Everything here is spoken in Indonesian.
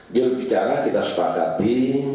jurubicara kita sepakati